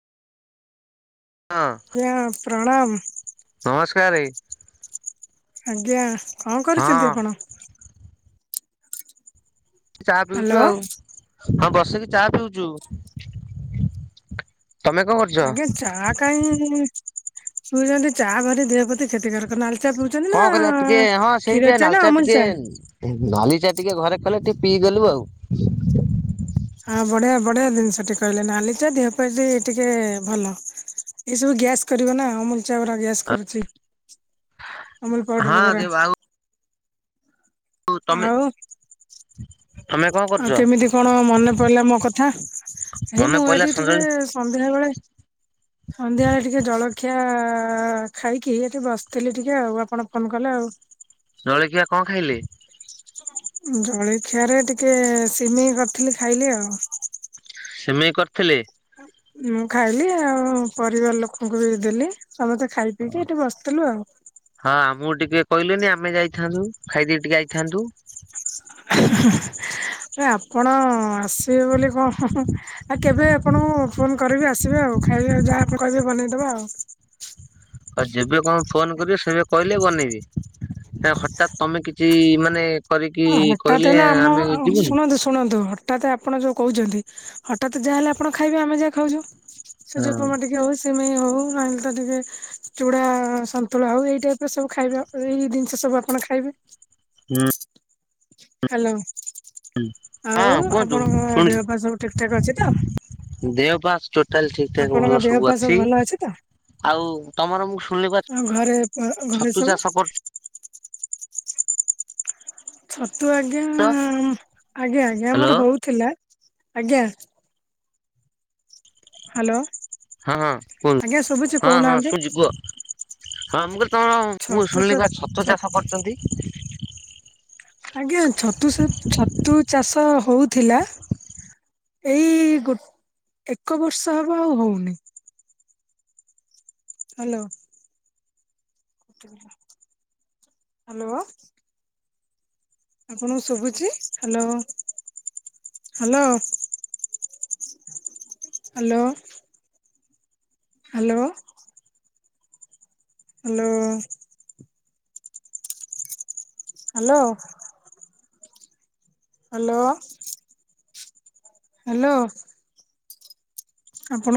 ହଁ ଆଜ୍ଞା ପ୍ରଣାମ। ନମସ୍କାର। ଆଜ୍ଞା, କଣ କରୁଛନ୍ତି ହଁ ଆପଣ? ଚାହା ହ୍ୟାଲୋ ପିଉଚୁ ଆଉ ହଁ ବସିକି ଚା ପିଉଚୁ। ତମେ କଣ ଆଜ୍ଞା କରୁଚ? ଚା କାଇଁ [unintelligible] ଚା ଭାରି ଦେହ ପ୍ରତି କ୍ଷତିକାରକ। ନାଲି ଚା ପଉଚନ୍ତି ନା କଣ କରିବା ଟିକେ ହଁ ସେଇ କ୍ଷୀର ଟିକେ ଚା ନାଲି ନା ଅମୂଲ୍ ଟିକେ ଚା? ନାଲି ଚା ଟିକେ ଘରେ କଲେ ଟିକେ ପିଇ ଦେଲୁ ଆଉ। ହଁ ବଢିଆ ବଢିଆ ଜିନିଷଟି କହିଲେ ନାଲି ଚାହା ଦେହ ପ୍ରତି ଟିକେ ଭଲ। ଏସବୁ ଗ୍ୟାସ୍ କରିବ ନା ଅମୂଲ୍ ଚା ଗୁରା ଗ୍ୟାସ୍ କରୁଚି। ଅମୂଲ୍ ପାଉଡର୍ ହଁ ଗୁରା। ଦେବ ଆଉ ତମେ ଆଉ- ତମେ କଣ ଆଉ କରୁଛ? କେମିତି କଣ ମନେ? ପଡିଲା ମୋ କଥା ଏଇ ମନେ ମୁଁ ପଇଲା ଏଠି ଟିକେ ସଞ୍ଜଳି ସନ୍ଧ୍ୟା ବେଳେ ସନ୍ଧ୍ୟାବେଳେ ଟିକେ ଜଳଖିଆ ଖାଇକି ଏଠି ବସିଥିଲି ଟିକେ ଆଉ ଆପଣ ଫୋନ୍ କଲେ ଆଉ। ଜଳଖିଆ କଣ ଖାଇଲେ? ଜଳିଖିଆରେ ଟିକେ ସିମେଇ କରିଥିଲି ଖାଇଲି ଆଉ। ସିମେଇ କରିଥିଲେ? ମୁଁ ଖାଇଲି ଆଉ ପରିବାର ଲୋକଙ୍କୁ ବି ଦେଲି। ସମସ୍ତେ ଖାଇ ପିଇକି ଏଠି ବସିଥିଲୁ ଆଉ। ହଁ ଆମକୁ ଟିକେ କହିଲେନି ଆମେ ଯାଇଥାନ୍ତୁ ଖାଇଦେଇ ଟିକେ ଆଇଥାନ୍ତୁ। ଆପଣ ଆସିବେ ବୋଲି କଣ ଆଉ କେବେ ଆପଣଙ୍କୁ ଫୋନ୍ କରିବି ଆସିବେ ଆଉ ଖାଇବେ ଯାହା ଆପଣ କହିବେ ବନେଇଦବା ଆଉ। ଆଉ ଯେବେ କଣ ଫୋନ୍ କରିବି ସେବେ କହିଲେ ବନେଇବି ହେ- ହଠାତ୍ ତମେ କିଛି ମାନେ କରିକି ଆ ହଠାତ୍ କହିଲେ ହେଲା ଆମ ଆମେ ଯିବୁନି। ଶୁଣନ୍ତୁ ଶୁଣନ୍ତୁ ହଠାତ୍ ଆପଣ ଯଉ କହୁଚନ୍ତି ହଠାତ୍ ଯାହାହଲେ ଆପଣ ଖାଇବେ ଆମେ ଯାହା ଖାଉଚୁ। ହଁ ସୁଜି ଉପମା ଟିକେ ହଉଚ୍ ସିମେଇ ହଉ ନହେଲେ ତ ଟିକେ ଚୁଡା ସନ୍ତୁଳା ହଉ ଏଇ ଟାଇପ୍ ର ସବୁ ଖାଇବା ଏଇ ଜିନିଷ ସବୁ ଆପଣ ଖାଇବେ। [inaudible] ହାଲୋ ହଁ ଆଉ କୁହନ୍ତୁ ଆପଣଙ୍କ ଶୁଣୁଛି ଦେହ ପା ସବୁ ଠିକ୍ ଠାକ୍ ଅଛି ତ? ଦେହ ପା ଟୋଟାଲ୍ ଠିକ୍ ଠାକ୍ ଆପଣଙ୍କ ଭଲ ଦେହ ସବୁ ପା ଅଛି। ଭଲ ତ? ଆଉ ତମର ମୁଁ ଶୁଣିଲି ଆଉ ଘରେ [inaudible] ଘରେ ଛତୁ ସବୁ ଚାଷ କରୁଚ? ଛତୁ ଆଜ୍ଞା- ଆଜ୍ଞା -ଆଜ୍ଞା ହ୍ୟାଲୋ ଆମର ହଉଥିଲା ଆଜ୍ଞା। ହାଲୋ। ହଁ- ହଁ କୁହୁ- ହଁ ହଁ କହୁନାହାନ୍ତି [unintelligible] କୁହ ହଁ ମୁଁ କ [unintelligible] ମୁଁ ଛତୁ ଛ ଶୁଣିଲି ପା ଛତୁ ଚାଷ କରୁଚନ୍ତି। ଆଜ୍ଞା ଛତୁ ସା- ଛତୁ ଚାଷ ହଉଥିଲା ଏଇ ଗୋଟ୍-ଏକ ବର୍ଷ ହବ ଆଉ ହଉନି। ହାଲୋ। ହାଲୋ। ଆପଣଙ୍କୁ ଶୁବୁଚି hello- hello. Hello. Hello. Hello. Hello. Hello. Hello. ଆପଣ